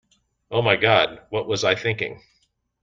Oh my God, what was I thinking?